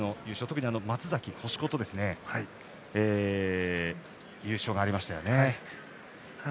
特に、松崎、星子の優勝がありましたよね。